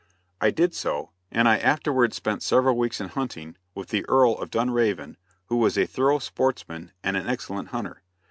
I did so, and I afterwards spent several weeks in hunting with the Earl of Dunraven, who was a thorough sportsman and an excellent hunter.